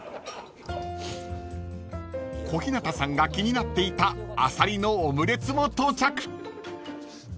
［小日向さんが気になっていたあさりのオムレツも到着］